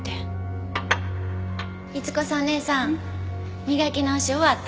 伊津子さんねえさん磨き直し終わった？